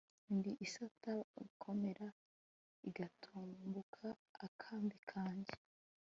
ndi isata bakomera igatumburuka akambi kanjye